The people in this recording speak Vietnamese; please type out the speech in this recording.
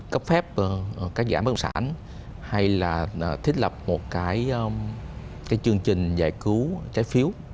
cấp phép các giãn bán đồng sản hay là thiết lập một cái chương trình giải cứu trái phiếu